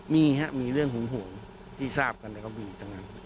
มีครับมีเรื่องห่วงที่ทราบกันแต่ก็มีตรงนั้น